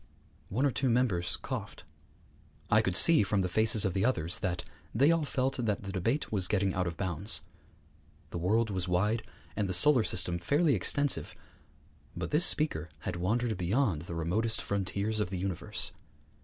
One or two members coughed. I could see from the faces of the others that they all felt that the debate was getting out of bounds. The world was wide, and the solar system fairly extensive; but this speaker had wandered beyond the remotest frontiers of the universe.